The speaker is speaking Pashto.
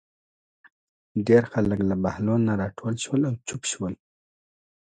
ډېر خلک له بهلول نه راټول شول او چوپ شول.